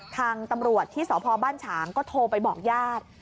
ทางตำรวจที่สพบ้านฉางก็โทรไปบอกญาติ